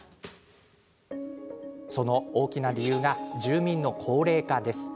その大きな理由が住民の高齢化です。